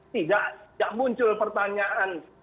tidak muncul pertanyaan